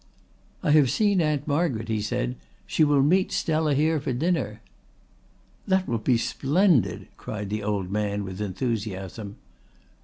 "I have seen Aunt Margaret," he said. "She will meet Stella here at dinner." "That will be splendid," cried the old man with enthusiasm.